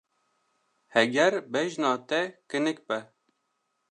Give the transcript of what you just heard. Heger bejna te kinik be.